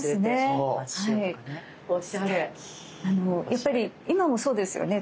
やっぱり今もそうですよね